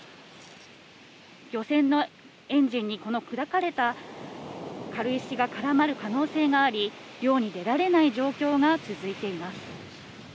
漁船のエンジンにこの砕かれた軽石が絡まる可能性があり、漁に出られない状況が続いています。